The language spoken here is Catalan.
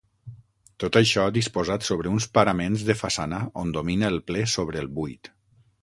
Tot això disposat sobre uns paraments de façana on domina el ple sobre el buit.